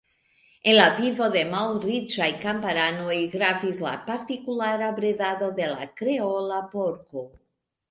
En la vivo de malriĉaj kamparanoj gravis la partikulara bredado de la Kreola porko.